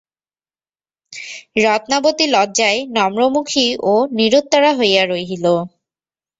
রত্নাবতী লজ্জায় নম্রমুখী ও নিরুত্তরা হইয়া রহিল।